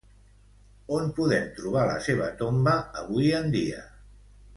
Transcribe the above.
On podem trobar la seva tomba avui en dia?